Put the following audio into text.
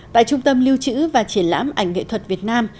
tại trung tâm lưu trữ và triển lãm ảnh nghệ thuật việt nam